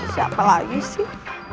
siapa lagi sih